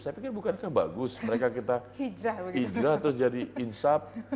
saya pikir bukankah bagus mereka kita hijrah terus jadi insaf